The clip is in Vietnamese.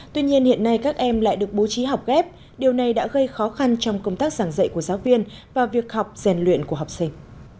tuy nhiên hiện nay các em lại được bố trí học ghép điều này đã gây khó khăn trong công tác giảng dạy của giáo viên và việc học rèn luyện của học sinh